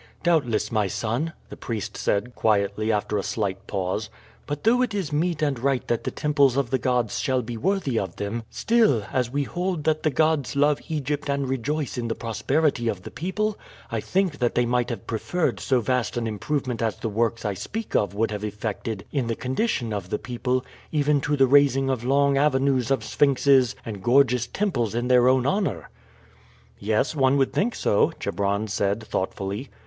"Doubtless, my son," the priest said quietly after a slight pause. "But though it is meet and right that the temples of the gods shall be worthy of them, still, as we hold that the gods love Egypt and rejoice in the prosperity of the people, I think that they might have preferred so vast an improvement as the works I speak of would have effected in the condition of the people, even to the raising of long avenues of sphinxes and gorgeous temples in their own honor." "Yes, one would think so," Chebron said thoughtfully.